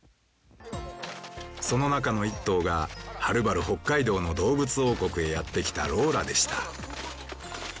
その中の１頭がはるばる北海道の動物王国へやってきたローラでした。